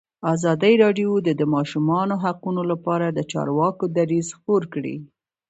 ازادي راډیو د د ماشومانو حقونه لپاره د چارواکو دریځ خپور کړی.